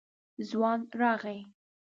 ځوان راغی.